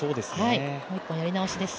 もう１本、やり直しです。